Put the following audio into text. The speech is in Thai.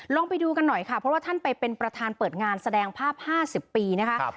ลองไปดูกันหน่อยว่าท่านไปเป็นประธานเปิดงานแสดงภาพ๕๐ปี